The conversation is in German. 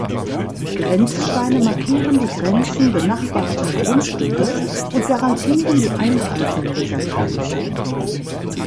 Grenzsteine markieren die Grenzen benachbarter Grundstücke und garantieren die Einhaltung dieser Grenzen.